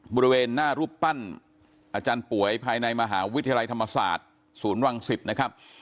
บริเวณหน้ารูปปั้นอาจารย์ป่วยภายในมหาวิทยาลัยธรรมศาสตร์ศูนย์วังศิษย์นะครับ